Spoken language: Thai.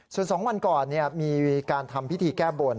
ส่วน๒วันก่อนมีการทำพิธีแก้บน